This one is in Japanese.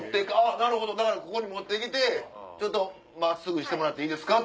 なるほどだからここに持って来てちょっと真っすぐしてもらっていいですか？